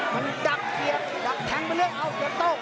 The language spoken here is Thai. มันดักเกียรติดักแทงไปเลยเอาเกียรติโต๊ะ